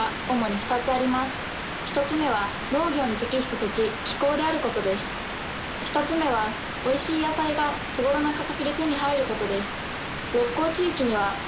２つ目は美味しい野菜が手頃な価格で手に入ることです。